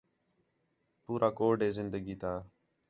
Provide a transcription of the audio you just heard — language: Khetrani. پورا کوڈ ہے زندگی تا